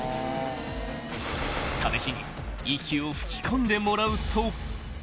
［試しに息を吹き込んでもらうと］